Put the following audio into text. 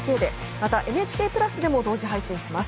またＮＨＫプラスでも同時配信します。